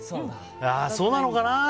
そうなのかな。